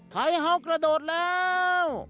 ไฮเฮาส์กระโดดแล้ว